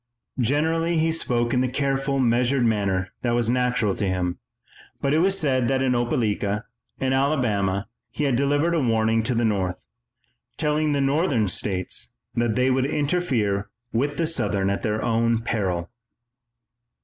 Generally he spoke in the careful, measured manner that was natural to him, but it was said that in Opelika, in Alabama, he had delivered a warning to the North, telling the Northern states that they would interfere with the Southern at their peril.